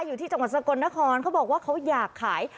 อยู่ที่จังหวัดสกลนครเขาบอกว่าเขาอยากขาย